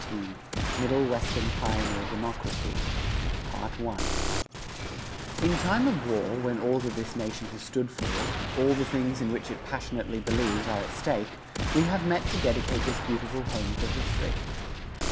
XIII MIDDLE WESTERN PIONEER DEMOCRACY[335:1] In time of war, when all that this nation has stood for, all the things in which it passionately believes, are at stake, we have met to dedicate this beautiful home for history.